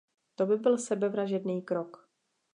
To by byl sebevražedný krok.